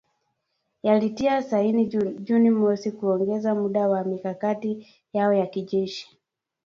yalitia saini Juni mosi kuongeza muda wa mikakati yao ya kijeshi